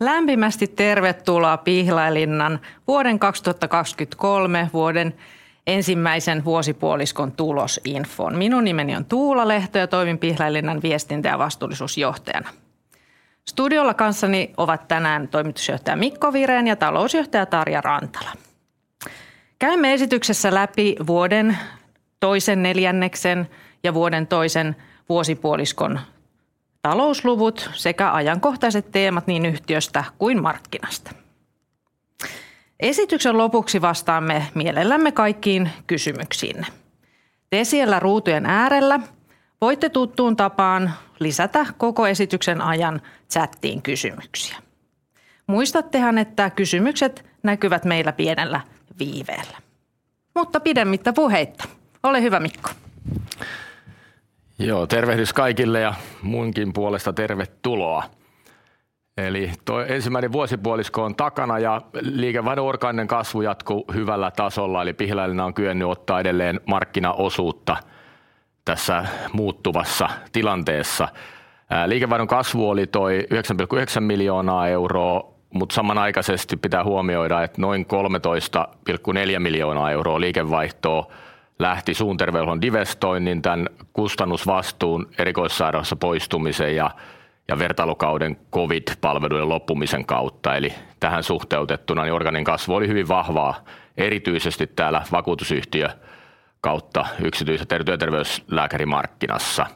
Lämpimästi tervetuloa Pihlajalinna's vuoden 2023 vuoden first half tulosinfoon! Minun nimeni on Tuula Lehto ja toimin Pihlajalinna's Viestintä- ja vastuullisuusjohtaja. Studiolla kanssani ovat tänään Toimitusjohtaja Mikko Wirén ja Talousjohtaja Tarja Rantala. Käymme esityksessä läpi vuoden second quarter ja vuoden second half talousluvut sekä ajankohtaiset teemat niin yhtiöstä kuin markkinasta. Esityksen lopuksi vastaamme mielellämme kaikkiin kysymyksiinne. Te siellä ruutujen äärellä voitte tuttuun tapaan lisätä koko esityksen ajan chattiin kysymyksiä. Muistattehan, että kysymykset näkyvät meillä pienellä viiveellä. Pidemmittä puheitta, ole hyvä, Mikko! Joo, tervehdys kaikille ja munkin puolesta tervetuloa! Toi ensimmäinen vuosipuolisko on takana ja liikevaihdon orgaaninen kasvu jatkui hyvällä tasolla, eli Pihlajalinna on kyennyt ottaa edelleen markkinaosuutta tässä muuttuvassa tilanteessa. Liikevaihdon kasvu oli toi 9.9 million, mut samanaikaisesti pitää huomioida, et noin 13.4 million liikevaihtoo lähti suunterveydenhuollon investoinnin, tän kustannusvastuun erikoissairaanhoidosta poistumisen ja, ja vertailukauden COVID-palveluiden loppumisen kautta. Tähän suhteutettuna niin orgaaninen kasvu oli hyvin vahvaa, erityisesti täällä vakuutusyhtiö kautta yksityiset ja työterveyslääkärimarkkinassa.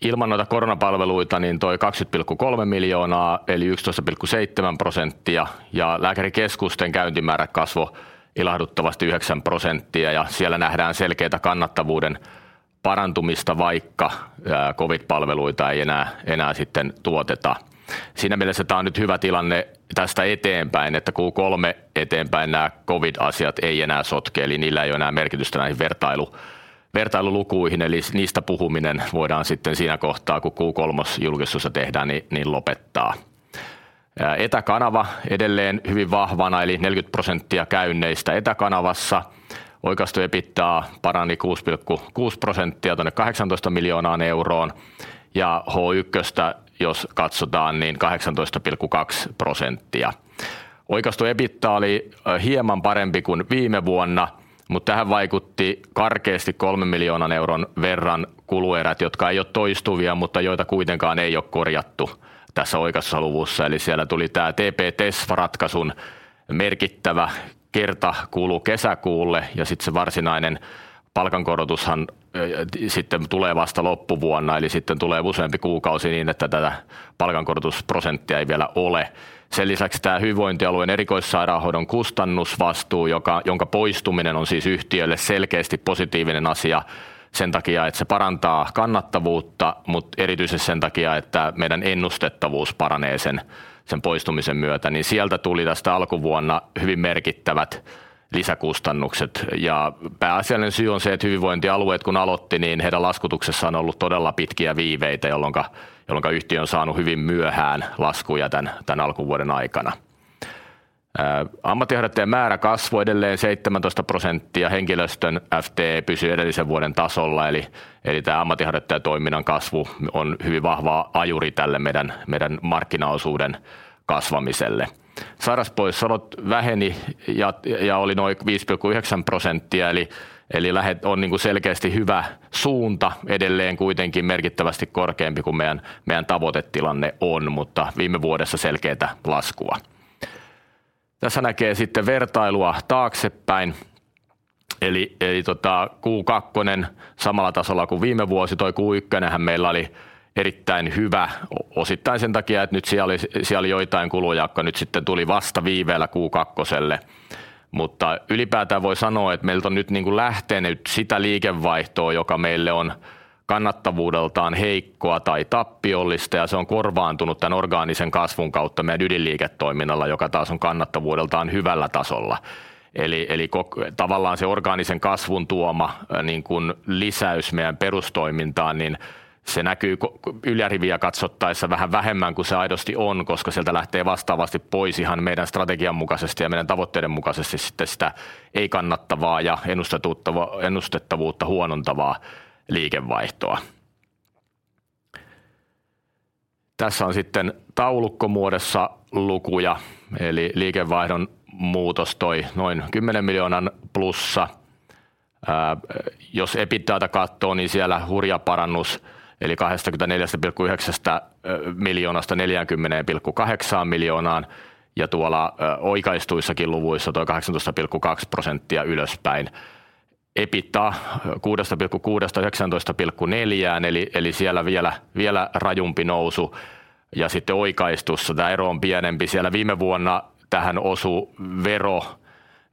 Ilman noita koronapalveluita, niin toi 20.3 million eli 11.7% ja lääkärikeskusten käyntimäärät kasvo ilahduttavasti 9%, ja siellä nähdään selkeetä kannattavuuden parantumista, vaikka COVID-palveluita ei enää, enää sitten tuoteta. Siinä mielessä tää on nyt hyvä tilanne tästä eteenpäin, että Q3 eteenpäin nää COVID-asiat ei oo enää sotke, eli niillä ei oo enää merkitystä näihin vertailu, vertailulukuihin, eli niistä puhuminen voidaan sitten siinä kohtaa, kun Q3 julkistusta tehdään, niin lopettaa. Etäkanava edelleen hyvin vahvana, eli 40% käynneistä etäkanavassa. Oikaistu EBITDA parani 6.6% tonne EUR 18 million, ja H1 jos katsotaan, niin 18.2%. Oikaistu EBITDA oli hieman parempi kuin viime vuonna, mut tähän vaikutti karkeesti 3 million verran kuluerät, jotka ei oo toistuvia, mutta joita kuitenkaan ei oo korjattu tässä oikaistussa luvussa. Siellä tuli tää TP-TES-ratkaisun merkittävä kertakulu kesäkuulle, ja sit se varsinainen palkankorotushan sitten tulee vasta loppuvuonna. Sitten tulee useampi kuukausi niin, että tätä palkankorotusprosenttia ei vielä ole. Sen lisäksi tää hyvinvointialueen erikoissairaanhoidon kustannusvastuu, jonka poistuminen on siis yhtiölle selkeesti positiivinen asia sen takia, et se parantaa kannattavuutta, mut erityisesti sen takia, että meidän ennustettavuus paranee sen, sen poistumisen myötä, niin sieltä tuli tässä alkuvuonna hyvin merkittävät lisäkustannukset. Pääasiallinen syy on se, et hyvinvointialueet kun alotti, niin heidän laskutuksessa on ollut todella pitkiä viiveitä, jolloinka yhtiö on saanu hyvin myöhään laskuja tän alkuvuoden aikana. Ammatinharrastajien määrä kasvoi edelleen 17%. Henkilöstön FTE pysyi edellisen vuoden tasolla. Eli tää ammattiharrastajatoiminnan kasvu on hyvin vahva ajuri tälle meidän markkinaosuuden kasvamiselle. Sairaspoissaolot väheni ja oli noin 5.9%. Eli lähet on niinku selkeesti hyvä suunta. Edelleen kuitenkin merkittävästi korkeampi kuin meidän tavoitetilanne on, mutta viime vuodessa selkeetä laskua. Tässä näkee sitten vertailua taaksepäin, eli tota Q2 samalla tasolla kuin viime vuosi. Toi Q ykkönenhän meillä oli erittäin hyvä, osittain sen takia, et nyt siellä oli, siellä oli joitain kuluja, jotka nyt sitten tuli vasta viiveellä Q kakkoselle. Ylipäätään voi sanoa, et meiltä on nyt niinku lähteny sitä liikevaihtoo, joka meille on kannattavuudeltaan heikkoa tai tappiollista, ja se on korvaantunut tän orgaanisen kasvun kautta meidän ydinliiketoiminnalla, joka taas on kannattavuudeltaan hyvällä tasolla. Ko tavallaan se orgaanisen kasvun tuoma niinkun lisäys meidän perustoimintaan, niin se näkyy ko yläriviä katsottaessa vähän vähemmän kuin se aidosti on, koska sieltä lähtee vastaavasti pois ihan meidän strategian mukaisesti ja meidän tavoitteiden mukaisesti sitten sitä ei kannattavaa ja ennustettavuutta huonontavaa liikevaihtoa. Tässä on sitten taulukkomuodossa lukuja, liikevaihdon muutos toi noin 10 million +. Jos EBITDA:ta kattoo, niin siellä hurja parannus, 24.9 million-40.8 million, ja tuolla oikaistuissakin luvuissa toi 18.2% ylöspäin. EBITDA 6.6-19.4, eli siellä vielä, vielä rajumpi nousu, ja sitten oikaistussa tää ero on pienempi. Siellä viime vuonna tähän osu vero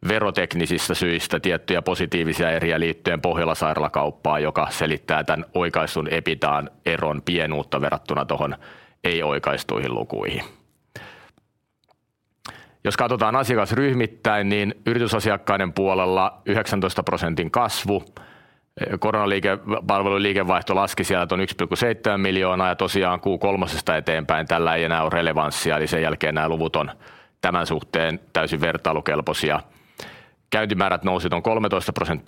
veroteknisistä syistä tiettyjä positiivisia eriä liittyen Pohjola Sairaala -kauppaan, joka selittää tän oikaistun EBITDA:n eron pienuutta verrattuna tuohon ei oikaistuihin lukuihin. Jos katotaan asiakasryhmittäin, niin yritysasiakkaiden puolella 19% kasvu. Koronaliike palveluliikevaihto laski sielt noin 1.7 million. Tosiaan Q3:sta eteenpäin tällä ei enää oo relevanssia, eli sen jälkeen nää luvut on tämän suhteen täysin vertailukelposia. Käyntimäärät nousi ton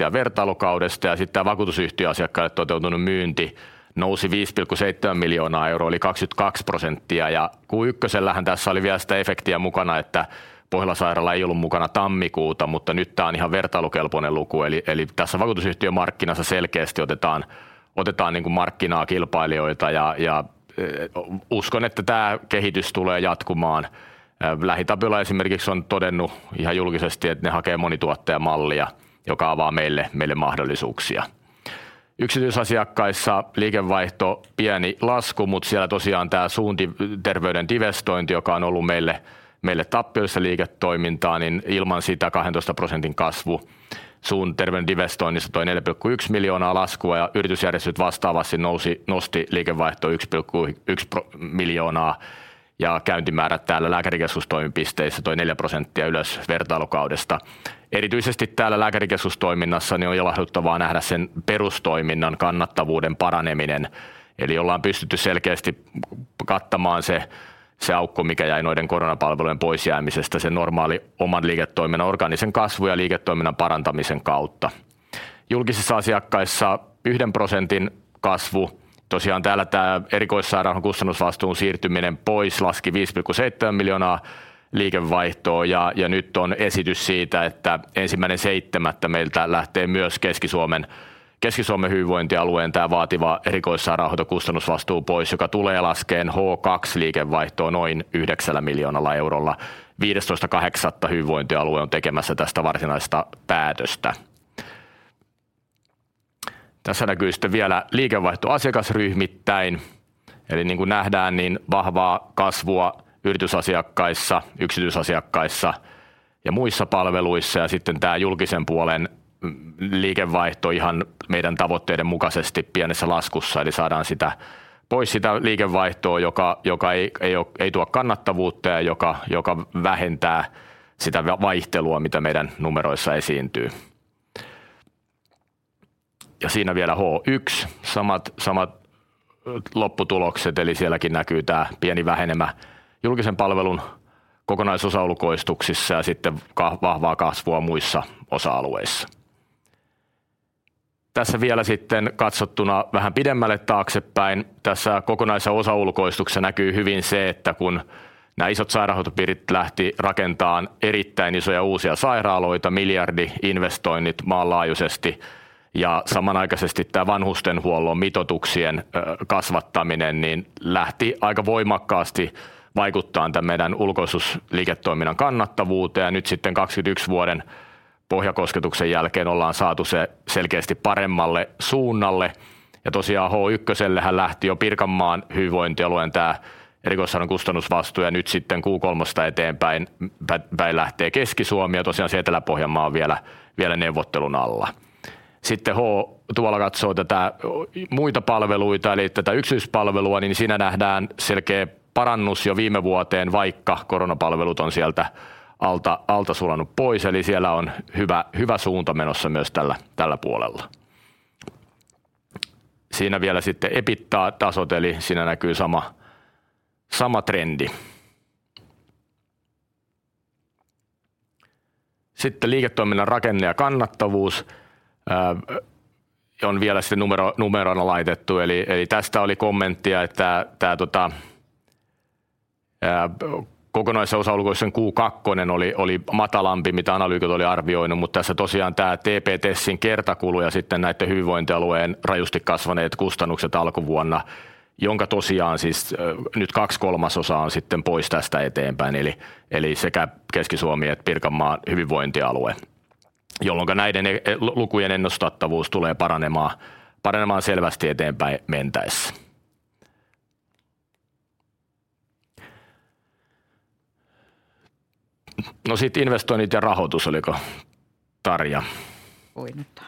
13% vertailukaudesta ja sit tää vakuutusyhtiöasiakkaille toteutunut myynti nousi EUR 5.7 million eli 20%. Q1:llähän tässä oli vielä sitä efektiä mukana, että Pohjola Sairaala ei ollu mukana tammikuuta, mutta nyt tää on ihan vertailukelpoinen luku. Eli tässä vakuutusyhtiömarkkinassa selkeästi otetaan, otetaan niinku markkinaa kilpailijoita ja, ja uskon, että tää kehitys tulee jatkumaan. LähiTapiola esimerkiksi on todennut ihan julkisesti, että ne hakee monituottajamallia, joka avaa meille, meille mahdollisuuksia. Yksityisasiakkaissa liikevaihto pieni lasku, mutta siellä tosiaan tää suunterveyden divestointi, joka on ollut meille, meille tappiollisia liiketoimintaa, niin ilman sitä 12% kasvu. Suunterveyden divestoinnissa toi 4.1 miljoonaa laskua ja yritysjärjestelyt vastaavasti nousi, nosti liikevaihtoa 1.1 miljoonaa, ja käyntimäärät täällä lääkärikesustoimipisteissä toi 4% ylös vertailukaudesta. Erityisesti täällä lääkärikesustoiminnassa on ilahduttavaa nähdä sen perustoiminnan kannattavuuden paraneminen. Ollaan pystytty selkeästi kattamaan se, se aukko, mikä jäi noiden koronapalvelujen pois jäämisestä, se normaali oman liiketoiminnan orgaanisen kasvun ja liiketoiminnan parantamisen kautta. Julkisissa asiakkaissa 1% kasvu. Tosiaan täällä tää erikoissairaanhoidon kustannusvastuun siirtyminen pois laski 5.7 miljoonaa liikevaihtoa, ja nyt on esitys siitä, että 1.7. meiltä lähtee myös Keski-Suomen, Keski-Suomen hyvinvointialueen tää vaativa erikoissairaanhoito kustannusvastuu pois, joka tulee laskeen H2 liikevaihtoa noin EUR 9 miljoonalla. August 15th wellbeing services county on tekemässä tästä varsinaista päätöstä. Tässä näkyy sitten vielä liikevaihto asiakasryhmittäin. Eli niin ku nähdään, niin vahvaa kasvua yritysasiakkaissa, yksityisasiakkaissa ja muissa palveluissa. Sitten tää julkisen puolen mm liikevaihto ihan meidän tavoitteiden mukasesti pienessä laskussa, eli saadaan sitä pois sitä liikevaihtoo, joka, joka ei, ei o, ei tuo kannattavuutta ja joka, joka vähentää sitä vaihtelua, mitä meidän numeroissa esiintyy. Siinä vielä H1. Samat, samat lopputulokset, eli sielläkin näkyy tää pieni vähenemä julkisen palvelun kokonaisosa ulkoistuksissa ja sitten vahvaa kasvua muissa osa-alueissa. Tässä vielä sitten katsottuna vähän pidemmälle taaksepäin. Tässä kokonaisosa ulkoistuksessa näkyy hyvin se, että kun nää isot hospital districts lähti rakentaan erittäin isoja uusia sairaaloita, billion investoinnit maanlaajuisesti ja samanaikaisesti tää vanhustenhuollon mitoituksien kasvattaminen, niin lähti aika voimakkaasti vaikuttaan tän meidän ulkoistusliiketoiminnan kannattavuuteen. Nyt sitten 2021 vuoden pohjakosketuksen jälkeen ollaan saatu se selkeästi paremmalle suunnalle. Tosiaan Q1:llehän lähti jo Pirkanmaan hyvinvointialueen tää erikoissairaan kustannusvastuu ja nyt sitten Q3:sta eteenpäin lähtee Keski-Suomi. Tosiaan se Etelä-Pohjanmaa on vielä, vielä neuvottelun alla. Q tuolla katsoo tätä muita palveluita eli tätä yksityispalvelua, niin siinä nähdään selkeä parannus jo viime vuoteen, vaikka koronapalvelut on sieltä alta, alta sulanut pois. Siellä on hyvä, hyvä suunta menossa myös tällä, tällä puolella. Siinä vielä sitten EBITDA-tasot, siinä näkyy sama, sama trendi. Liiketoiminnan rakenne ja kannattavuus on vielä sitten numerona laitettu. Tästä oli kommenttia, että tää kokonaisosa ulkoistuksen Q2 oli, oli matalampi, mitä analyytikot oli arvioinut. Tässä tosiaan tää TP-TESin kertakulu ja sitten näitten hyvinvointialueen rajusti kasvaneet kustannukset alkuvuonna, jonka tosiaan siis nyt 2/3 on sitten pois tästä eteenpäin. Sekä Keski-Suomi että Pirkanmaan hyvinvointialue, jolloinka näiden e... lukujen ennustettavuus tulee paranemaan, paranemaan selvästi eteenpäin mentäes. Sit investoinnit ja rahoitus. Oliko Tarja? Voin ottaa.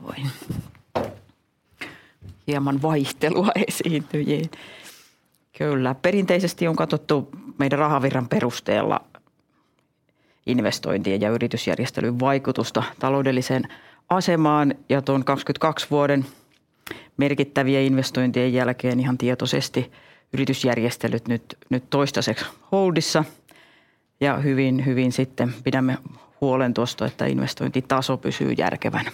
Noin. Hieman vaihtelua esiintyjiin. Kyllä, perinteisesti on katottu meidän rahavirran perusteella investointien ja yritysjärjestelyjen vaikutusta taloudelliseen asemaan, ja tuon 22 vuoden merkittävien investointien jälkeen ihan tietosesti yritysjärjestelyt nyt, nyt toistaseks holdissa, ja hyvin, hyvin sitten pidämme huolen tuosta, että investointitaso pysyy järkevänä.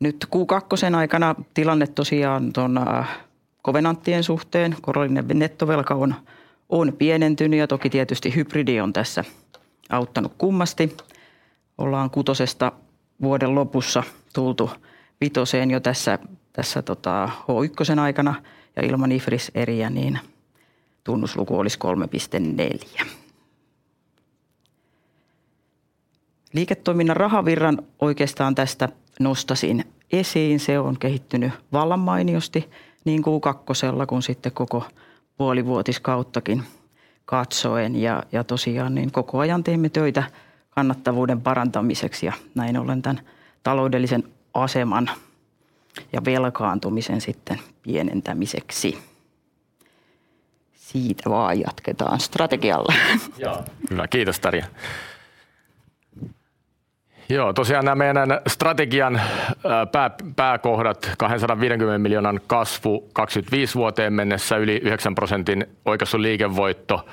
Nyt Q2:n aikana tilanne tosiaan ton kovenanttien suhteen korollinen nettovelka on, on pienentyny, ja toki tietysti hybridi on tässä auttanu kummasti. Ollaan 6:sta vuoden lopussa tultu 5:een jo tässä, tässä tota H1:n aikana ja ilman IFRS-eriä, niin tunnusluku olis 3.4. Liiketoiminnan rahavirran oikeastaan tästä nostasin esiin. Se on kehittyny vallan mainiosti, niin kuin Q2:lla kuin sitten koko puolivuotiskauttakin katsoen. Tosiaan niin, koko ajan teemme töitä kannattavuuden parantamiseksi ja näin ollen tän taloudellisen aseman ja velkaantumisen sitten pienentämiseksi. Siitä vaan jatketaan strategialle. Jaa, hyvä, kiitos Tarja! Joo, tosiaan nää meidän strategian pääkohdat: 250 million kasvu 25 vuoteen mennessä, yli 9% oikaistu liikevoitto,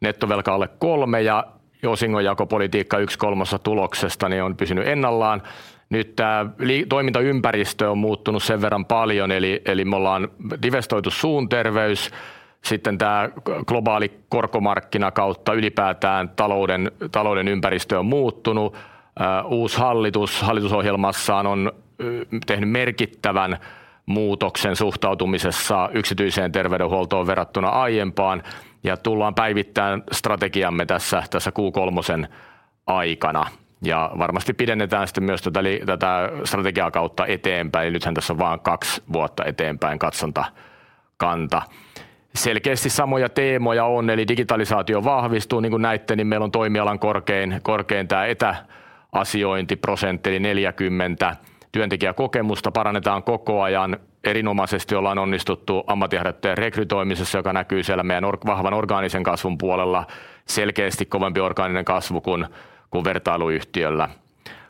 nettovelka alle 3 ja osingonjakopolitiikka 1 kolmessa tuloksesta, niin on pysynyt ennallaan. Nyt tää toimintaympäristö on muuttunut sen verran paljon, eli me ollaan divestoitu suunterveys. Sitten tää globaali korkomarkkina kautta ylipäätään talouden ympäristö on muuttunut. Uusi hallitus hallitusohjelmassaan on tehnyt merkittävän muutoksen suhtautumisessaan yksityiseen terveydenhuoltoon verrattuna aiempaan, ja tullaan päivittämään strategiamme tässä Q3 aikana ja varmasti pidennetään sitten myös tota tätä strategiaa kautta eteenpäin. Nythän tässä on vaan 2 vuotta eteenpäin katsontakanta. Selkeästi samoja teemoja on, eli digitalisaatio vahvistuu. Niin kuin näitte, niin meillä on toimialan korkein tää etäasiointiprosentti, eli 40%. Työntekijäkokemusta parannetaan koko ajan. Erinomaisesti ollaan onnistuttu ammatinharjoittajien rekrytoimisessa, joka näkyy siellä meidän vahvan orgaanisen kasvun puolella. Selkeästi kovampi orgaaninen kasvu kuin vertailuyhtiöllä.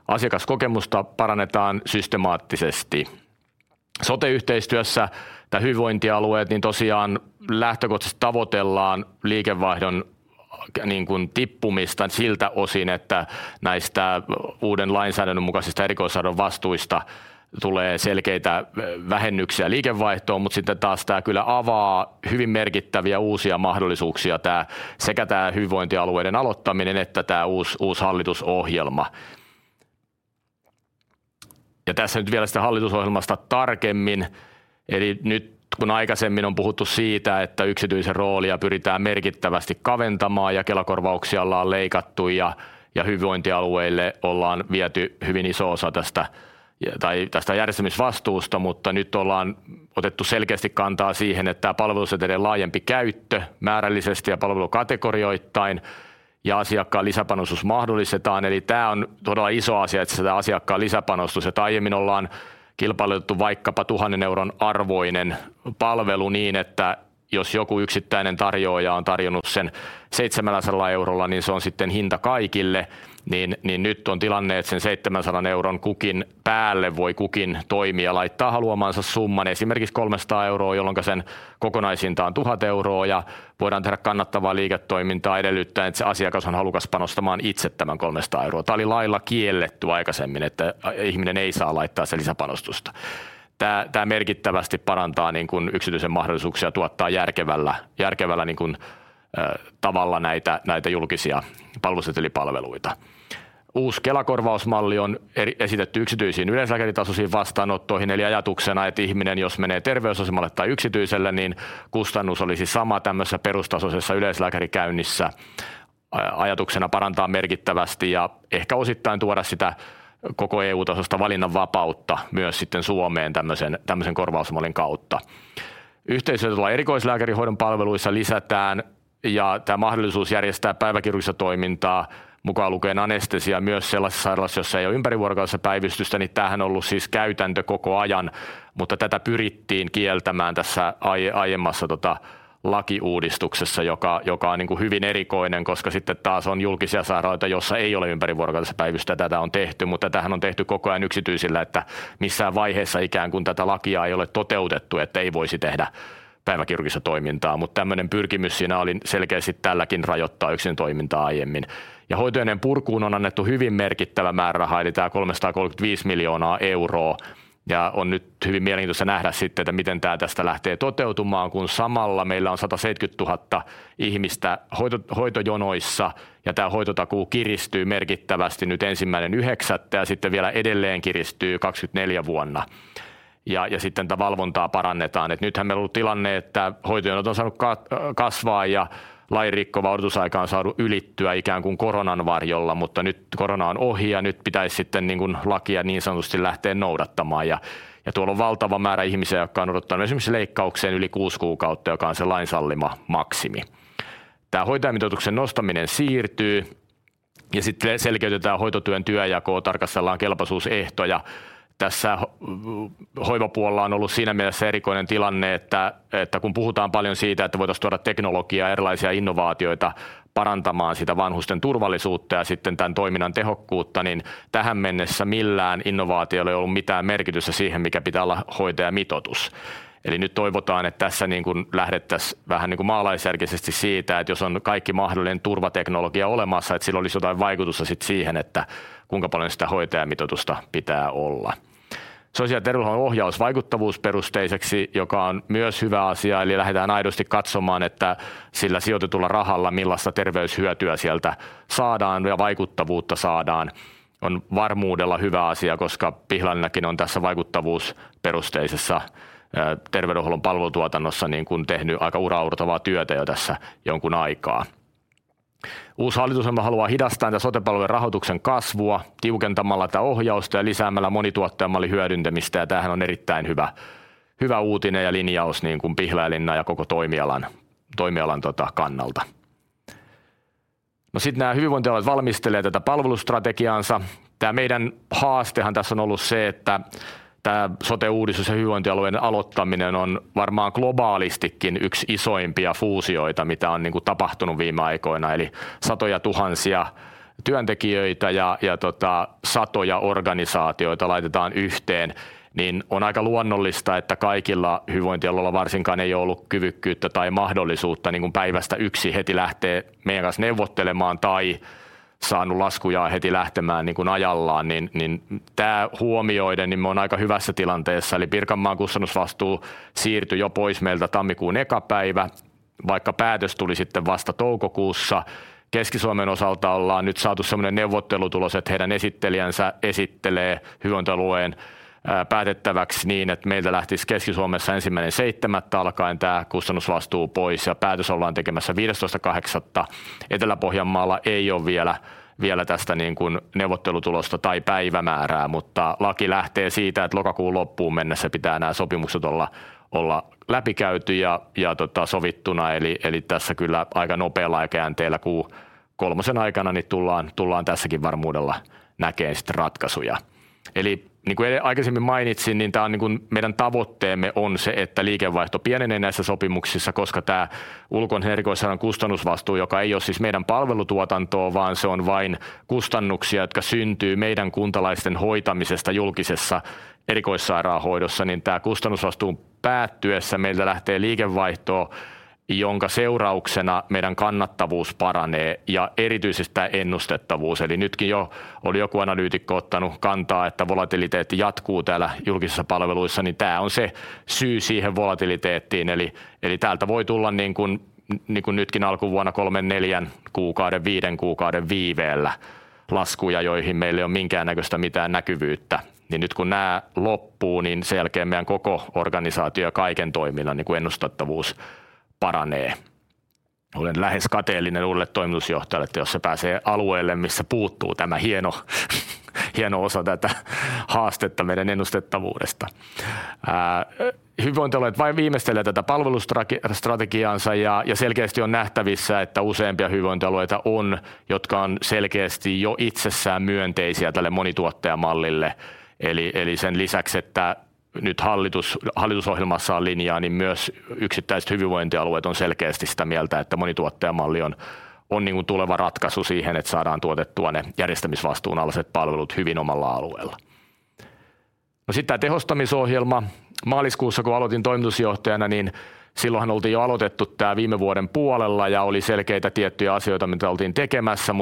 Asiakaskokemusta parannetaan systemaattisesti. Sote-yhteistyössä nää hyvinvointialueet, niin tosiaan lähtökohtaisesti tavoitellaan liikevaihdon niinkun tippumista siltä osin, että näistä uuden lainsäädännön mukaisista erikoissairaanhoidon vastuista tulee selkeitä vähennyksiä liikevaihtoon. Sitten taas tää kyllä avaa hyvin merkittäviä uusia mahdollisuuksia tää sekä tää hyvinvointialueiden aloittaminen että tää uusi hallitusohjelma. Tässä nyt vielä siitä hallitusohjelmasta tarkemmin. Eli nyt kun aikaisemmin on puhuttu siitä, että yksityisen roolia pyritään merkittävästi kaventamaan ja Kela-korvauksia ollaan leikattu ja hyvinvointialueille ollaan viety hyvin iso osa tästä järjestämisvastuusta, mutta nyt ollaan otettu selkeästi kantaa siihen, että palvelusetelien laajempi käyttö määrällisesti ja palvelukategorioittain ja asiakkaan lisäpanostus mahdollistetaan. Eli tää on todella iso asia, et sitä asiakkaan lisäpanostus, et aiemmin ollaan kilpailutettu vaikkapa EUR 1,000 arvoinen palvelu niin, että jos joku yksittäinen tarjoaja on tarjonnut sen 700, niin se on sitten hinta kaikille. Niin, niin, nyt on tilanne, että sen 700 päälle voi kukin toimija laittaa haluamansa summan, esimerkiksi 300, jolloinka sen kokonaishinta on 1,000 ja voidaan tehdä kannattavaa liiketoimintaa edellyttäen, että se asiakas on halukas panostamaan itse tämän 300. Tää oli lailla kiellettyä aikaisemmin, että ihminen ei saa laittaa sitä lisäpanostusta. Tää, tää merkittävästi parantaa niinkun yksityisen mahdollisuuksia tuottaa järkevällä, järkevällä niinkun tavalla näitä, näitä julkisia palvelusetelipalveluita. Uusi Kela-korvausmalli on esitetty yksityisiin yleislääkäritasosiin vastaanottoihin, eli ajatuksena, että ihminen, jos menee terveysasemalle tai yksityiselle, niin kustannus olisi sama tämmösessä perustasoisessa yleislääkärikäynnissä. Ajatuksena parantaa merkittävästi ja ehkä osittain tuoda sitä koko EU-tasoista valinnanvapautta myös sitten Suomeen tämmösen, tämmösen korvausmallin kautta. Yhteistyötä erikoislääkärihoidon palveluissa lisätään, ja tää mahdollisuus järjestää päiväkirurgista toimintaa, mukaan lukien anestesia, myös sellaisessa sairaalassa, jossa ei ole ympärivuorokautista päivystystä, niin tämähän on ollut siis käytäntö koko ajan, mutta tätä pyrittiin kieltämään tässä aiemmassa lakiuudistuksessa, joka, joka on niinku hyvin erikoinen, koska sitten taas on julkisia sairaaloita, joissa ei ole ympärivuorokautista päivystystä ja tätä on tehty, mutta tätähän on tehty koko ajan yksityisillä, että missään vaiheessa ikään kuin tätä lakia ei ole toteutettu, että ei voisi tehdä päiväkirurgista toimintaa, mutta tämmöinen pyrkimys siinä oli selkeästi tälläkin rajoittaa yksin toimintaa aiemmin. Hoitojonojen purkuun on annettu hyvin merkittävä määräraha, eli tää 335 miljoonaa, ja on nyt hyvin mielenkiintoista nähdä sitten, että miten tää tästä lähtee toteutumaan, kun samalla meillä on 170,000 ihmistä hoitojonoissa ja tää hoitotakuu kiristyy merkittävästi nyt 1.9. ja sitten vielä edelleen kiristyy 2024 vuonna. Sitten tätä valvontaa parannetaan. Nythän meillä on ollut tilanne, että hoitojonot on saanut kasvaa ja lainrikkova odotusaika on saanut ylittyä ikään kuin koronan varjolla. Nyt korona on ohi ja nyt pitäis sitten niinkun lakia niin sanotusti lähteä noudattamaan. Tuolla on valtava määrä ihmisiä, jotka on odottaneet esimerkiksi leikkaukseen yli 6 kuukautta, joka on se lain sallima maksimi. Tää hoitajamitoituksen nostaminen siirtyy, sitten selkeytetään hoitotyön työnjakoa, tarkastellaan kelpoisuusehtoja. Tässä hoivapuolella on ollut siinä mielessä erikoinen tilanne, että kun puhutaan paljon siitä, että voitaisiin tuoda teknologiaa ja erilaisia innovaatioita parantamaan sitä vanhusten turvallisuutta ja sitten tän toiminnan tehokkuutta, niin tähän mennessä millään innovaatiolla ei ole ollut mitään merkitystä siihen, mikä pitää olla hoitajamitoitus. Nyt toivotaan, että tässä niinkun lähdettäis vähän niinkun maalaisjärkisesti siitä, että jos on kaikki mahdollinen turvateknologia olemassa, että sillä olisi jotain vaikutusta sit siihen, että kuinka paljon sitä hoitajamitoitusta pitää olla. Sosiaali- ja terveydenhuollon ohjaus vaikuttavuusperusteiseksi, joka on myös hyvä asia. Eli lähdetään aidosti katsomaan, että sillä sijoitetulla rahalla millaista terveyshyötyä sieltä saadaan ja vaikuttavuutta saadaan, on varmuudella hyvä asia, koska Pihlajalinnakin on tässä vaikuttavuusperusteisessa terveydenhuollon palvelutuotannossa niinkun tehnyt aika uraauurtavaa työtä jo tässä jonkun aikaa. Uusi hallitusohjelma haluaa hidastaa tätä sote-palvelujen rahoituksen kasvua tiukentamalla tätä ohjausta ja lisäämällä monituottajamallin hyödyntämistä. Tämähän on erittäin hyvä, hyvä uutinen ja linjaus niinkun Pihlajalinnan ja koko toimialan, toimialan kannalta. Sitten nää hyvinvointialueet valmistelee tätä palvelustrategiaansa. Tää meidän haastehan tässä on ollut se, että. Tää sote-uudistus ja hyvinvointialueiden aloittaminen on varmaan globaalistikin yksi isoimpia fuusioita, mitä on niinku tapahtunut viime aikoina. Eli satojatuhansia työntekijöitä ja, ja satoja organisaatioita laitetaan yhteen, niin on aika luonnollista, että kaikilla hyvinvointialueilla varsinkaan ei oo ollu kyvykkyyttä tai mahdollisuutta niinku päivästä yksi heti lähtee meiän kans neuvottelemaan tai sanu laskujaan heti lähtemään niinku ajallaan. Tää huomioiden, niin me on aika hyvässä tilanteessa. Pirkanmaan kustannusvastuu siirty jo pois meiltä tammikuun eka päivä, vaikka päätös tuli sitten vasta toukokuussa. Keski-Suomen osalta ollaan nyt saatu semmonen neuvottelutulos, et heidän esittelijänsä esittelee hyvinvointialueen päätettäväks niin, et meiltä lähtis Keski-Suomessa ensimmäinen seitsemättä alkaen tää kustannusvastuu pois ja päätös ollaan tekemässä viidestoista kahdeksatta. Etelä-Pohjanmaalla ei oo vielä, vielä tästä niinkun neuvottelutulosta tai päivämäärää, mutta laki lähtee siitä, et lokakuun loppuun mennessä pitää nää sopimukset olla, olla läpikäyty ja, ja tota sovittuna. Tässä kyllä aika nopeella aikajänteellä kukuu kolmosen aikana, niin tullaan, tullaan tässäkin varmuudella näkeen sit ratkasuja. Niinku eile aikasemmin mainitsin, niin tää on meidän tavotteemme on se, että liikevaihto pienenee näissä sopimuksissa, koska tää ulkoisen erikoissairaan kustannusvastuu, joka ei oo siis meidän palvelutuotantoo, vaan se on vain kustannuksia, jotka syntyy meidän kuntalaisten hoitamisesta julkisessa erikoissairaanhoidossa, niin tää kustannusvastuun päättyessä meiltä lähtee liikevaihtoo, jonka seurauksena meidän kannattavuus paranee ja erityisesti tää ennustettavuus. Nytkin jo oli joku analyytikko ottanu kantaa, että volatiliteetti jatkuu täällä julkisissa palveluissa, ni tää on se syy siihen volatiliteettiin. Täältä voi tulla niinkun, niinku nytkin alkuvuonna kolmen, neljän kuukauden, viiden kuukauden viiveellä laskuja, joihin meil ei oo minkäännäköstä mitään näkyvyyttä. Nyt kun nää loppuu, niin sen jälkeen meiän koko organisaatio ja kaiken toiminnan niinku ennustettavuus paranee. Olen lähes kateellinen uudelle toimitusjohtajalle, et jos se pääsee alueelle, missä puuttuu tämä hieno, hieno osa tätä haastetta meidän ennustettavuudesta. Hyvinvointialueet vain viimeistelee tätä palvelustrategiaansa, ja selkeästi on nähtävissä, että useampia hyvinvointialueita on, jotka on selkeästi jo itsessään myönteisiä tälle monituottajamallille. Eli sen lisäksi, että nyt hallitus hallitusohjelmassa on linjaa, niin myös yksittäiset hyvinvointialueet on selkeästi sitä mieltä, että monituottajamalli on niinku tuleva ratkaisu siihen, että saadaan tuotettua ne järjestämisvastuun alaiset palvelut hyvin omalla alueella. Sitten tämä tehostamisohjelma. Maaliskuussa, kun aloitin toimitusjohtajana, niin silloinhan oltiin jo aloitettu tämä viime vuoden puolella ja oli selkeitä tiettyjä asioita, mitä oltiin tekemässä.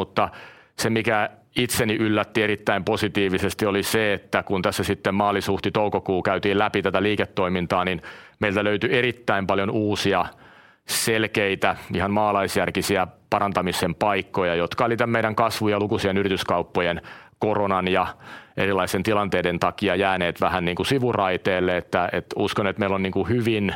Se, mikä itseni yllätti erittäin positiivisesti, oli se, että kun tässä sitten maalis-, huhti-, toukokuu käytiin läpi tätä liiketoimintaa, niin meiltä löytyi erittäin paljon uusia, selkeitä, ihan maalaisjärkisiä parantamisen paikkoja, jotka oli tämän meidän kasvun ja lukuisien yrityskauppojen, koronan ja erilaisen tilanteiden takia jääneet vähän niinku sivuraiteelle. Että uskon, että meillä on niinku hyvin,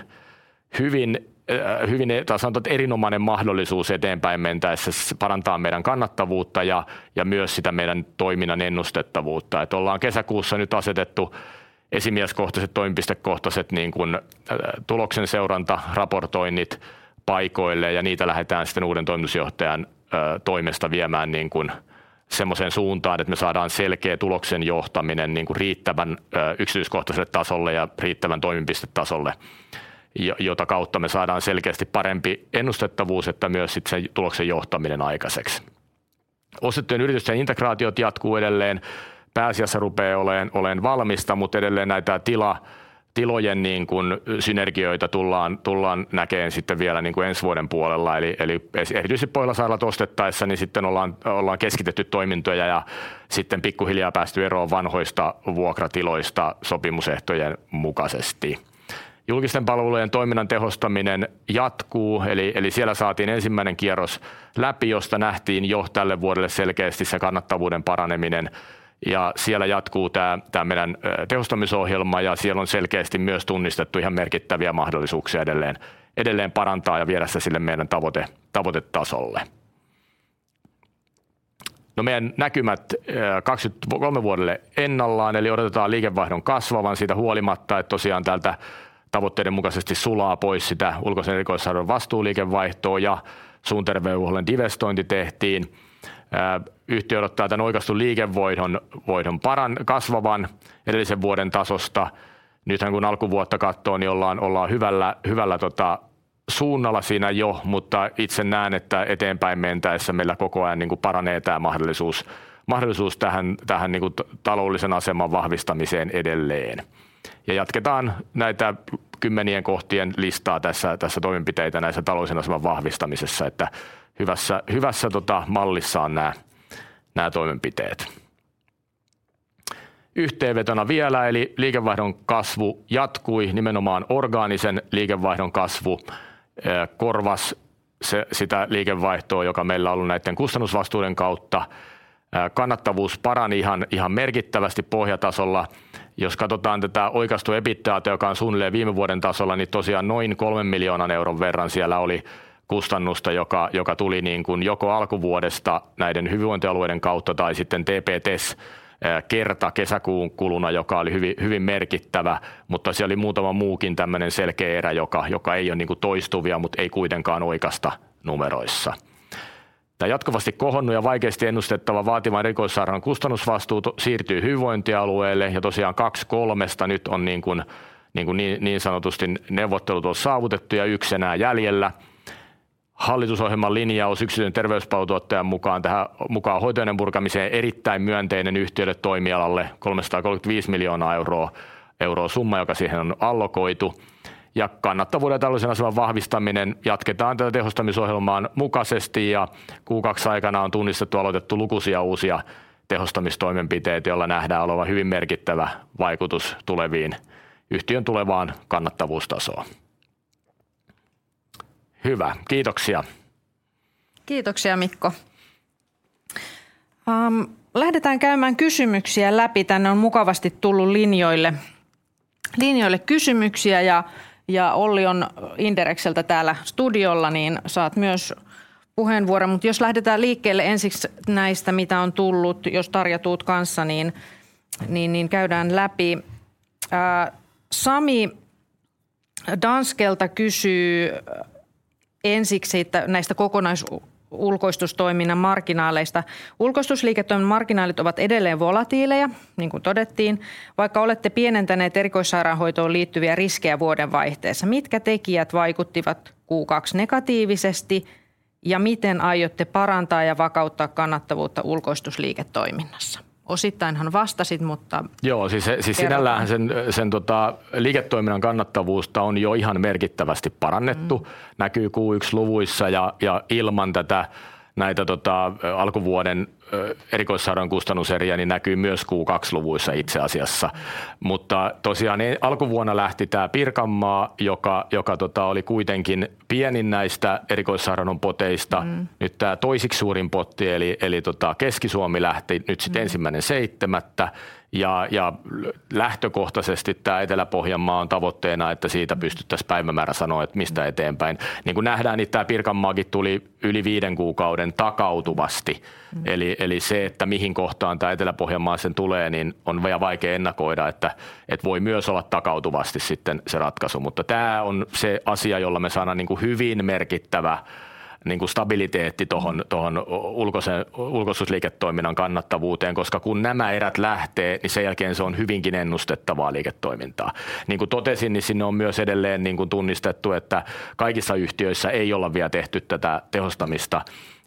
hyvin, hyvin... sanotaan, et erinomainen mahdollisuus eteenpäin mentäessä parantaa meidän kannattavuutta ja, ja myös sitä meidän toiminnan ennustettavuutta. Et ollaan kesäkuussa nyt asetettu esimieskohtaset, toimipistekohtaset niinkun tuloksen seurantaraportoinnit paikoilleen, ja niitä lähetään sitten uuden toimitusjohtajan toimesta viemään niinkun semmoseen suuntaan, et me saadaan selkee tuloksen johtaminen niinku riittävän yksityiskohtasele tasolle ja riittävän toimipistetasolle, ja jota kautta me saadaan selkeästi parempi ennustettavuus, että myös sit se tuloksen johtaminen aikaseks. Ostettujen yritysten integraatiot jatkuu edelleen. Pääasiassa rupee oleen, oleen valmista, mut edelleen näitä tila tilojen niinkun synergioita tullaan, tullaan näkeen sitten vielä niinku ens vuoden puolella. Eli, eli erityisesti Poikilasaaret ostettaessa, niin sitten ollaan, ollaan keskitetty toimintoja ja sitten pikkuhiljaa päästy eroon vanhoista vuokratiloista sopimusehtojen mukasesti. Julkisten palvelujen toiminnan tehostaminen jatkuu, eli siellä saatiin ensimmäinen kierros läpi, josta nähtiin jo tälle vuodelle selkeästi se kannattavuuden paraneminen, ja siellä jatkuu tää, tää meidän tehostamisohjelma, ja siellä on selkeästi myös tunnistettu ihan merkittäviä mahdollisuuksia edelleen, edelleen parantaa ja viedä sitä sille meidän tavoitetasolle. No, meidän näkymät 23 vuodelle ennallaan, eli odotetaan liikevaihdon kasvavan siitä huolimatta, et tosiaan täältä tavoitteiden mukaisesti sulaa pois sitä ulkoisen erikoissairaan vastuuliikevaihtoa ja suun terveydenhuollon divestointi tehtiin. Yhtiö odottaa tän oikaistun liikevaihdon kasvavan edellisen vuoden tasosta. Nythän kun alkuvuotta katsoo, ollaan, ollaan hyvällä, hyvällä suunnalla siinä jo, mutta itse näen, että eteenpäin mentäessä meillä koko ajan niinku paranee tää mahdollisuus, mahdollisuus tähän, tähän niinku taloudellisen aseman vahvistamiseen edelleen. Ja jatketaan näitä kymmenien kohtien listaa tässä, tässä toimenpiteitä näissä taloudellisen aseman vahvistamisessa, että hyvässä, hyvässä mallissa on nää, nää toimenpiteet. Yhteenvetona vielä, eli liikevaihdon kasvu jatkui. Nimenomaan orgaanisen liikevaihdon kasvu korvas se, sitä liikevaihtoa, joka meillä on ollut näiden kustannusvastuiden kautta. Kannattavuus parani ihan, ihan merkittävästi pohjatasolla. Jos katsotaan tätä oikaistua EBITDAa, joka on suunnilleen viime vuoden tasolla, tosiaan noin 3 miljoonan verran siellä oli kustannusta, joka, joka tuli niin kuin joko alkuvuodesta näiden hyvinvointialueiden kautta tai sitten TPTES-kertakesäkuun kuluna, joka oli hyvin, hyvin merkittävä, mutta siellä oli muutama muukin tämmöinen selkeä erä, joka, joka ei ole niin kuin toistuvia, mutta ei kuitenkaan oikaista numeroissa. Tämä jatkuvasti kohonnut ja vaikeasti ennustettava vaativan erikoissairaanhoidon kustannusvastuu siirtyy hyvinvointialueelle, ja tosiaan 2 kolmesta nyt on niin kuin, niin kuin niin sanotusti neuvottelut on saavutettu ja 1 enää jäljellä. Hallitusohjelman linjaus yksityisen terveyspalveluntuottajan mukaan tähän mukaan hoitojonojen purkamiseen erittäin myönteinen yhtiölle ja toimialalle. 335 miljoonaa summa, joka siihen on allokoitu. Kannattavuuden ja taloudellisen aseman vahvistaminen, jatketaan tätä tehostamisohjelmaan mukaisesti, ja Q2 aikana on tunnistettu ja aloitettu lukuisia uusia tehostamistoimenpiteitä, joilla nähdään olevan hyvin merkittävä vaikutus tuleviin, yhtiön tulevaan kannattavuustasoon. Hyvä, kiitoksia! Kiitoksia Mikko! Lähdetään käymään kysymyksiä läpi. Tänne on mukavasti tullu linjoille kysymyksiä, ja Olli on Inderes täällä studiolla, niin saat myös puheenvuoron, mut jos lähdetään liikkeelle ensiks näistä, mitä on tullut. Jos Tarja tuut kanssa, niin käydään läpi. Sami Danskelta kysyy ensiksi, että näistä kokonaisulkoistustoiminnan marginaaleista: ulkoistusliiketoiminnan marginaalit ovat edelleen volatiileja, niin kuin todettiin, vaikka olette pienentäneet erikoissairaanhoitoon liittyviä riskejä vuodenvaihteessa. Mitkä tekijät vaikuttivat Q2 negatiivisesti, ja miten aiotte parantaa ja vakauttaa kannattavuutta ulkoistusliiketoiminnassa? Osittainhan vastasit, mutta- Joo, siis, siis sinälläänhän sen, sen liiketoiminnan kannattavuutta on jo ihan merkittävästi parannettu. Näkyy Q1 luvuissa ja, ja ilman tätä näitä alkuvuoden erikoissairaanhoidon kustannuseriä, niin näkyy myös Q2 luvuissa itse asiassa. Tosiaan alkuvuonna lähti tää Pirkanmaa, joka, joka oli kuitenkin pienin näistä erikoissairaanhoidon poteista. Nyt tää toisiksi suurin potti eli, eli Keski-Suomi lähti nyt sit 7/1, ja, ja lähtökohtasesti tää Etelä-Pohjanmaa on tavoitteena, että siitä pystyttäs päivämäärä sanoo, et mistä eteenpäin. Niin kun nähdään, niin tää Pirkanmaaki tuli yli five kuukauden takautuvasti. Eli se, että mihin kohtaan tää Etelä-Pohjanmaa sen tulee, niin on vielä vaikea ennakoida, että et voi myös olla takautuvasti sitten se ratkaisu. Tää on se asia, jolla me saadaan niinku hyvin merkittävä niinku stabiliteetti tohon, tohon ulkosen, ulkoistusliiketoiminnan kannattavuuteen, koska kun nämä erät lähtee, niin sen jälkeen se on hyvinkin ennustettavaa liiketoimintaa. Niin ku totesin, niin sinne on myös edelleen niinku tunnistettu, että kaikissa yhtiöissä ei olla vielä tehty tätä tehostamista,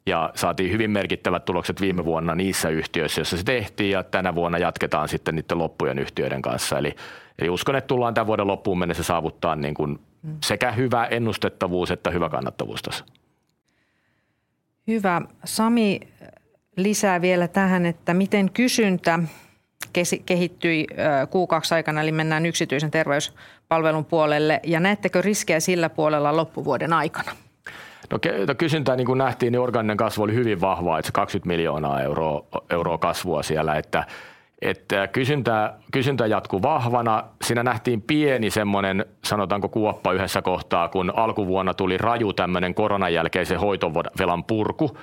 ja saatiin hyvin merkittävät tulokset viime vuonna niissä yhtiöissä, joissa se tehtiin, ja tänä vuonna jatketaan sitten niitten loppujen yhtiöiden kanssa. Eli, eli uskon, että tullaan tän vuoden loppuun mennessä saavuttaa niinkun sekä hyvä ennustettavuus että hyvä kannattavuustaso. Hyvä! Sami lisää vielä tähän, että miten kysyntä kehittyi Q2 aikana, eli mennään yksityisen terveyspalvelun puolelle. Näettekö riskejä sillä puolella loppuvuoden aikana? Kysyntää niin kun nähtiin, niin orgaaninen kasvu oli hyvin vahvaa, et se EUR 20 miljoonaa euroo, euroa kasvua siellä, että, et kysyntä, kysyntä jatku vahvana. Siinä nähtiin pieni semmonen, sanotaanko kuoppa yhessä kohtaa, kun alkuvuonna tuli raju tämmönen koronan jälkeisen hoitovelan purku.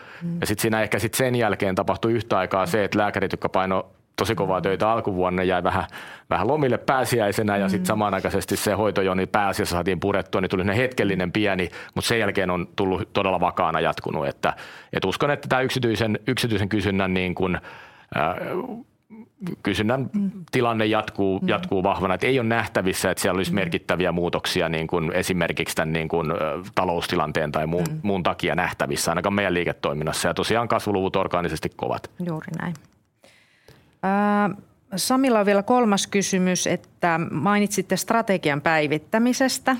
Sit siinä ehkä sit sen jälkeen tapahtu yhtä aikaa se, et lääkärit, jotka paino tosi kovaa töitä alkuvuonna, jäi vähän, vähän lomille pääsiäisenä ja sit samanaikaisesti se hoitojono pääasiassa saatiin purettua, niin tuli semmonen hetkellinen pieni, mut sen jälkeen on tullu todella vakaana jatkunu, että uskon, että tää yksityisen, yksityisen kysynnän niinkun kysynnän tilanne jatkuu, jatkuu vahvana, et ei oo nähtävissä, et siellä olis merkittäviä muutoksia, niinkun esimerkiks tän niinkun taloustilanteen tai muun, muun takia nähtävissä. Ainakaan meidän liiketoiminnassa. Tosiaan kasvuluvut orgaanisesti kovat. Juuri näin. Samilla on vielä kolmas kysymys, että mainitsitte strategian päivittämisestä.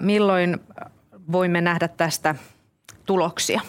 Milloin voimme nähdä tästä tuloksia?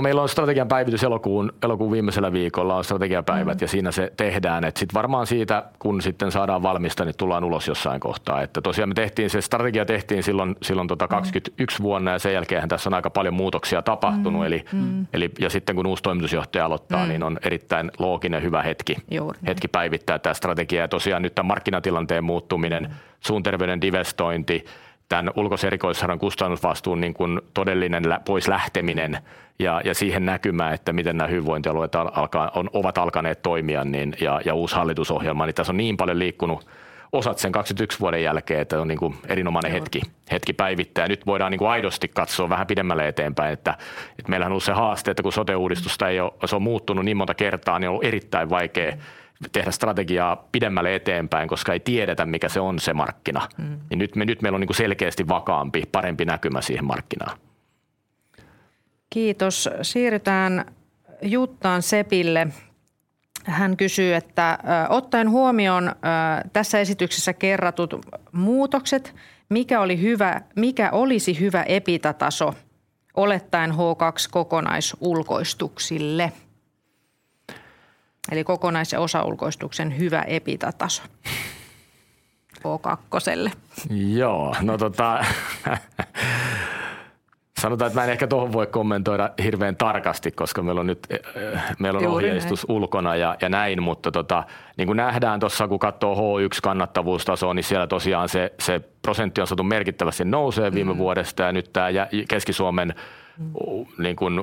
meillä on strategian päivitys elokuun, elokuun viimeisellä viikolla on strategiapäivät, ja siinä se tehdään, et sit varmaan siitä, kun sitten saadaan valmista, niin tullaan ulos jossain kohtaa. tosiaan me tehtiin se strategia tehtiin sillon, sillon tota 2021 vuonna, sen jälkeenhän tässä on aika paljon muutoksia tapahtunu. Eli, eli sitten kun uus toimitusjohtaja aloittaa, niin on erittäin looginen, hyvä hetki- Juuri ...hetki päivittää tää strategia. Tosiaan, nyt tän markkinatilanteen muuttuminen, suun terveyden divestointi, tän ulkos erikoissairaanhoidon kustannusvastuun niinkun todellinen pois lähteminen ja, ja siihen näkymä, että miten nää hyvinvointialueet alkaa, ovat alkaneet toimia, niin, ja, ja uusi hallitusohjelma, niin tässä on niin paljon liikkunu osat sen 21 vuoden jälkeen, että on niinku erinomainen hetki, hetki päivittää. Ja nyt voidaan niinku aidosti katsoo vähän pidemmälle eteenpäin, että, et meillähän on ollu se haaste, että kun sote-uudistusta ei oo, se on muuttunu niin monta kertaa, niin on ollu erittäin vaikee tehdä strategiaa pidemmälle eteenpäin, koska ei tiedetä, mikä se on se markkina. Mm. nyt meil on niinku selkeesti vakaampi, parempi näkymä siihen markkinaan. Kiitos! Siirrytään Juttaan Sepille. Hän kysyy, että ottaen huomioon tässä esityksessä kerratut muutokset, mikä oli hyvä, mikä olisi hyvä EBITDA-taso olettaen H2 kokonaisulkoistuksille? Eli kokonais- ja osaulkoistuksen hyvä EBITDA-taso H2:lle. Sanotaan, että mä en ehkä tohon voi kommentoida hirveen tarkasti, koska meillä on nyt, meillä on ohjeistus ulkona ja, ja näin, mutta nähdään tossa, kun kattoo H1 kannattavuustaso, niin siellä tosiaan se, se prosenttiosuus merkittävästi nousee viime vuodesta. Nyt tää Keski-Suomen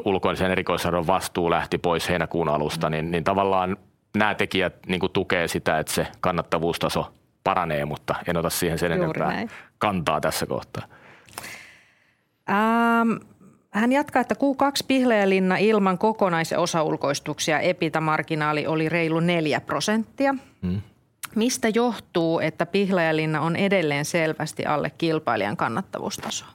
ulkoisen erikoissairaanhoidon vastuu lähti pois heinäkuun alusta, niin tavallaan nää tekijät tukee sitä, et se kannattavuustaso paranee, mutta en ota siihen sen enempää kantaa tässä kohtaa. hän jatkaa, että Q2 Pihlajalinna ilman kokonais- ja osaulkoistuksia EBITDA marginaali oli reilu 4%. Mistä johtuu, että Pihlajalinna on edelleen selvästi alle kilpailijan kannattavuustasoa?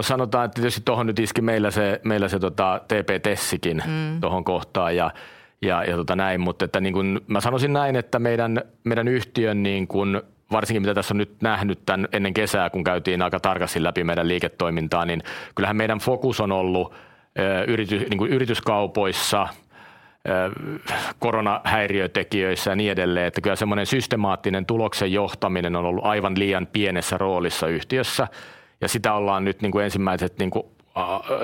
Sanotaan, että tietysti tohon nyt iski meillä se, meillä se tota TP-TESkin tohon kohtaan ja, ja tota näin, mut että niinkun mä sanoisin näin, että meidän, meidän yhtiön niinkun, varsinkin mitä tässä on nyt nähnyt tän ennen kesää, kun käytiin aika tarkasti läpi meidän liiketoimintaa, niin kyllähän meidän fokus on ollu öö yritys niinku yrityskaupoissa, öö koronahäiriötekijöissä ja niin edelleen. Kyllä semmonen systemaattinen tuloksen johtaminen on ollut aivan liian pienessä roolissa yhtiössä, ja sitä ollaan nyt niinku ensimmäiset niinku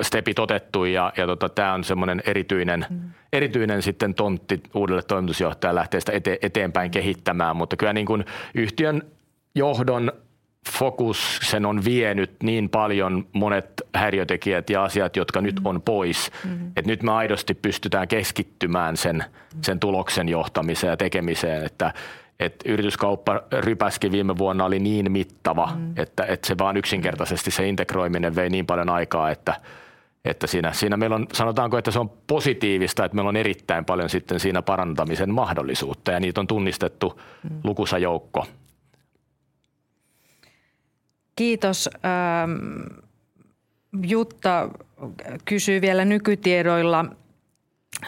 stepit otettu. Ja tota tää on semmonen erityinen, erityinen sitten tontti uudelle toimitusjohtajalle lähteä sitä eteenpäin kehittämään. Kyllä niin kun yhtiön johdon fokuksen on vienyt niin paljon monet häiriötekijät ja asiat, jotka nyt on pois, et nyt me aidosti pystytään keskittymään sen, sen tuloksen johtamiseen ja tekemiseen, että, et yrityskaupparypäski viime vuonna oli niin mittava, että et se vaan yksinkertaisesti se integroiminen vei niin paljon aikaa, että, että siinä, siinä meillä on, sanotaanko, että se on positiivista, et meillä on erittäin paljon sitten siinä parantamisen mahdollisuutta, ja niitä on tunnistettu lukusa joukko. Kiitos! Jutta kysyy vielä nykytiedoilla,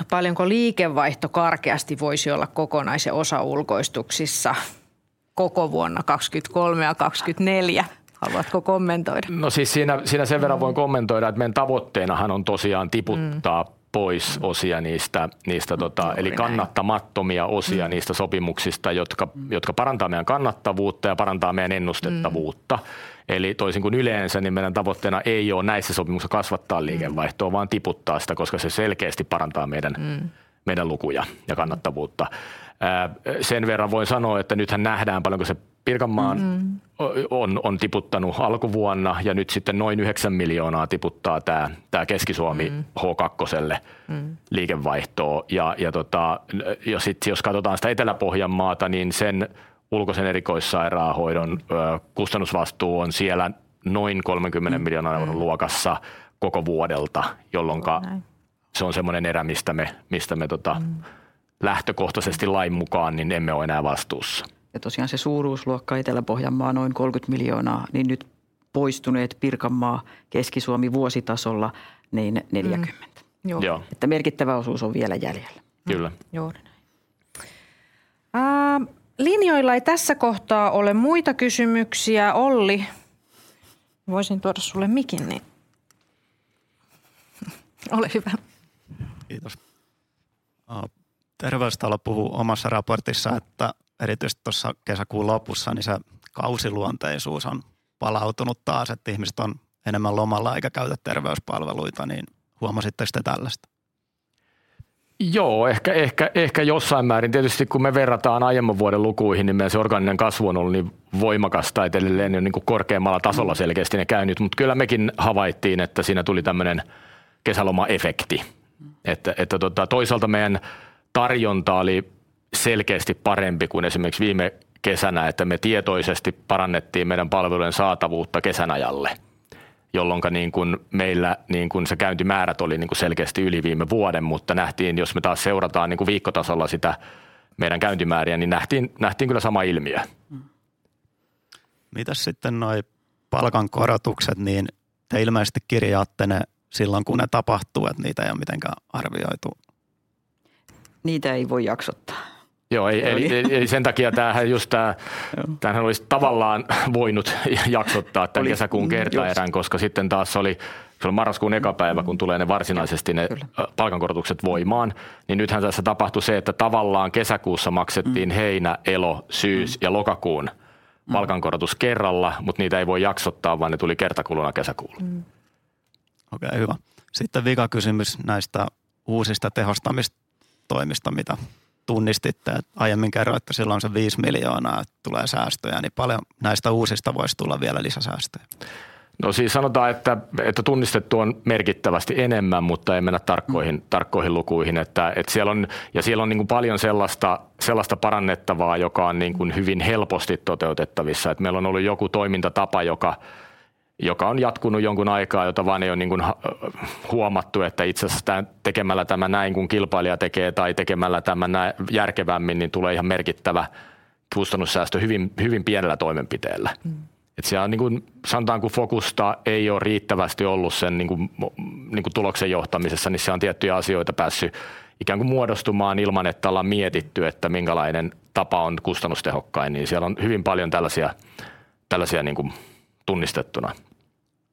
paljonko liikevaihto karkeasti voisi olla kokonais- ja osaulkoistuksissa koko vuonna 2023 ja 2024. Haluatko kommentoida? No siis siinä, siinä sen verran voin kommentoida, että meidän tavoitteenahan on tosiaan tiputtaa pois osia niistä, niistä eli kannattamattomia osia niistä sopimuksista, jotka, jotka parantaa meidän kannattavuutta ja parantaa meidän ennustettavuutta. Eli toisin kuin yleensä, niin meidän tavoitteena ei oo näissä sopimuksissa kasvattaa liikevaihtoa, vaan tiputtaa sitä, koska se selkeästi parantaa meidän, meidän lukuja ja kannattavuutta. Sen verran voin sanoa, että nythän nähdään, paljonko se Pirkanmaan on, on tiputtanu alkuvuonna ja nyt sitten noin EUR 9 million tiputtaa tää, tää Keski-Suomi H kakkoselle liikevaihtoo. Sit jos katotaan sitä Etelä-Pohjanmaata, niin sen ulkoisen erikoissairaanhoidon kustannusvastuu on siellä noin 30 million luokassa koko vuodelta, jolloinka se on semmonen erä, mistä me, mistä me lähtökohtasesti lain mukaan niin emme oo enää vastuussa. tosiaan se suuruusluokka Etelä-Pohjanmaa, noin 30 million, niin nyt poistuneet Pirkanmaa, Keski-Suomi vuositasolla, niin 40 million. Joo. Että merkittävä osuus on vielä jäljellä. Kyllä. Joo, näin. Linjoilla ei tässä kohtaa ole muita kysymyksiä. Olli, voisin tuoda sulle mikin, niin. Ole hyvä! Kiitos. Terveystalo puhuu omassa raportissa, että erityisesti tossa kesäkuun lopussa, ni se kausiluonteisuus on palautunut taas, et ihmiset on enemmän lomalla eikä käytä terveyspalveluita, niin huomasitteks te tällaista? Joo, ehkä, ehkä, ehkä jossain määrin. Tietysti, kun me verrataan aiemman vuoden lukuihin, niin meidän se orgaaninen kasvu on ollu niin voimakasta, että edelleen on niinku korkeammalla tasolla selkeästi ne käynnit. Mut kyllä mekin havaittiin, että siinä tuli tämmönen kesälomaefekti. Että, että toisaalta meidän tarjonta oli selkeästi parempi kuin esimerkiks viime kesänä, että me tietoisesti parannettiin meidän palveluiden saatavuutta kesän ajalle, jolloinka niinkun meillä niinkun se käyntimäärät oli niinku selkeästi yli viime vuoden. Mutta nähtiin, jos me taas seurataan niinku viikkotasolla sitä meidän käyntimääriä, niin nähtiin, nähtiin kyllä sama ilmiö. Mites sitten noi palkankorotukset, niin te ilmeisesti kirjaatte ne silloin, kun ne tapahtuu, et niitä ei oo mitenkään arvioitu? Niitä ei voi jaksottaa. Joo, ei, ei, sen takia täähän just. Tänähän olis tavallaan voinut jaksottaa tän kesäkuun kertaerän, koska sitten taas se oli silloin marraskuun 1. päivä, kun tulee ne varsinaisesti ne palkankorotukset voimaan, niin nythän tässä tapahtui se, että tavallaan kesäkuussa maksettiin heinä-, elo-, syys- ja lokakuun palkankorotus kerralla, mut niitä ei voi jaksottaa, vaan ne tuli kertakuluna kesäkuulla. Okei, hyvä. Vika kysymys näistä uusista tehostamistoimista, mitä tunnistitte. Aiemmin kerroitte, että siellä on se 5 million, et tulee säästöjä, niin paljon näistä uusista vois tulla vielä lisäsäästöjä? No siis sanotaan, että, että tunnistettu on merkittävästi enemmän, mutta ei mennä tarkkoihin, tarkkoihin lukuihin. Et siel on, ja siel on niinku paljon sellasta, sellasta parannettavaa, joka on niinkun hyvin helposti toteutettavissa. Meil on ollu joku toimintatapa, joka, joka on jatkunu jonkun aikaa, jota vaan ei oo niinkun huomattu, että itse asiassa tää tekemällä tämä näin kuin kilpailija tekee tai tekemällä tämä näin järkevämmin, niin tulee ihan merkittävä kustannussäästö hyvin, hyvin pienellä toimenpiteellä. Siel on niinkun, sanotaanko fokusta ei oo riittävästi ollu sen niinku, niinku tuloksen johtamisessa, niin siihen on tiettyjä asioita päässy ikään kuin muodostumaan ilman, että ollaan mietitty, että minkälainen tapa on kustannustehokkain, niin siel on hyvin paljon tällasia, tällasia niinku tunnistettuna.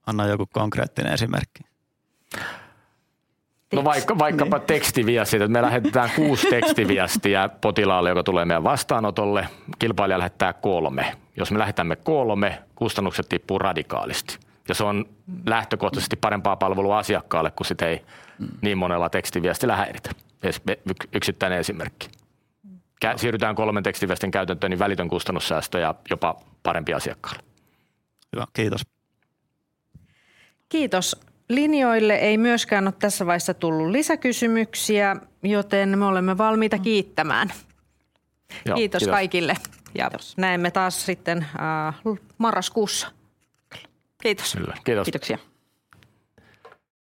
Anna joku konkreettinen esimerkki. No, vaikka, vaikkapa tekstiviestit, et me lähetetään 6 tekstiviestiä potilaalle, joka tulee meidän vastaanotolle. Kilpailija lähettää 3. Jos me lähetämme 3, kustannukset tippuu radikaalisti, ja se on lähtökohtasesti parempaa palvelua asiakkaalle, kun sit ei niin monella tekstiviestillä häiritä. Esim. yksittäinen esimerkki. Siirrytään 3 tekstiviestin käytäntöön, niin välitön kustannussäästö ja jopa parempi asiakkaalle. Hyvä, kiitos! Kiitos! Linjoille ei myöskään oo tässä vaiheessa tullu lisäkysymyksiä, joten me olemme valmiita kiittämään. Joo, kiitos. Kiitos kaikille. Kiitos. näemme taas sitten Marraskuussa. Kiitos. Kyllä, kiitos. Kiitoksia.